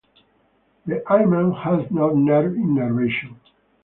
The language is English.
The hymen has no nerve innervation.